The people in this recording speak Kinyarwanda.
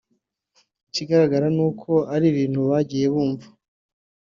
Ikigaragara ni uko ari ibintu bagiye bumva